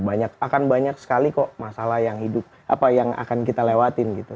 banyak akan banyak sekali kok masalah yang hidup apa yang akan kita lewatin gitu